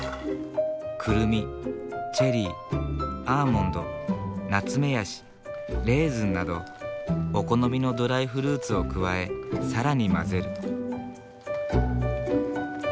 くるみチェリーアーモンドナツメヤシレーズンなどお好みのドライフルーツを加え更に混ぜる。